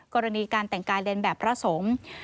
กรณีการแต่งกายเลนแบบพระสงฆ์